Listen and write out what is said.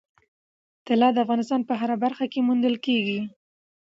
طلا د افغانستان په هره برخه کې موندل کېږي.